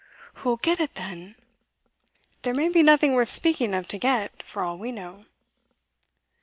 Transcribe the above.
'Who'll get it, then?' 'There may be nothing worth speaking of to get, for all we know.